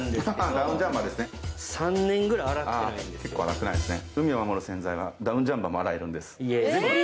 結構洗ってないですね。